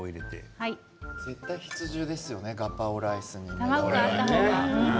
絶対に必需ですよねガパオライスに。